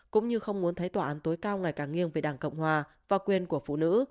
cũng như không muốn thấy tòa án tối cao ngày càng nghiêng về đảng cộng hòa và quyền của phụ nữ